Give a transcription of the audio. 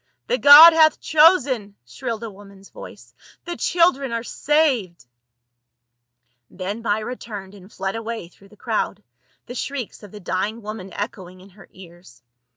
The god hath chosen!" shrilled a woman's voice. " The children are saved !" Then Myra turned and fled away through the crowd, the shrieks of the dying woman echoing in her ears.